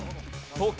東京